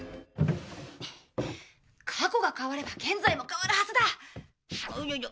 過去が変われば現在も変わるはずだ。